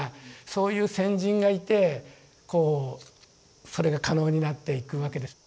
そういう先人がいてこうそれが可能になっていくわけです。